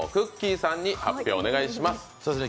さんに発表をお願いします。